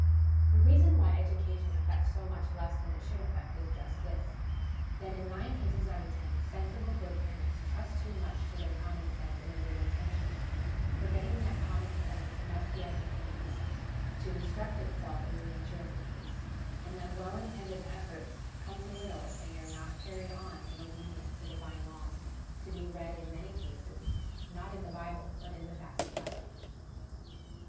The reason why education effects so much less than it should effect is just this that in nine cases out often, sensible good parents trust too much to their common sense and their good intentions, forgetting that common sense must be at the pains to instruct itself in the nature of the case, and that well intended efforts come to little if they are not carried on in obedience to divine laws, to be read in many cases, not in the Bible, but in the facts of life.